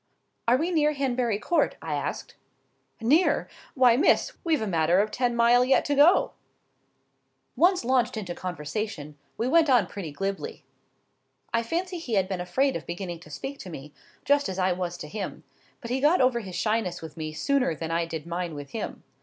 "Are we near Hanbury Court?" I asked. "Near! Why, Miss! we've a matter of ten mile yet to go." Once launched into conversation, we went on pretty glibly. I fancy he had been afraid of beginning to speak to me, just as I was to him; but he got over his shyness with me sooner than I did mine with him.